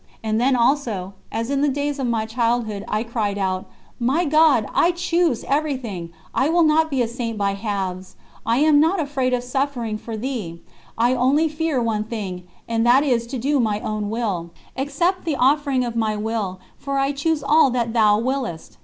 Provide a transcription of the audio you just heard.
And then also, as in the days of my childhood, I cried out: "My God, I choose everything, I will not be a Saint by halves, I am not afraid of suffering for Thee, I only fear one thing, and that is to do my own will. Accept the offering of my will, for I choose all that Thou willest."